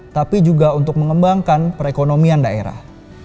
tapi juga untuk mengembangkan perekonomian daerah